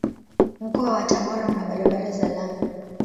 Mkoa wa Tabora una barabara za lami.